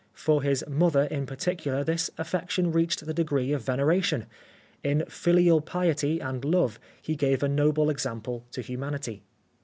For his mother in parti cular this affection reached the degree of vener ation. In filial piety and love he gave a noble example to humanity.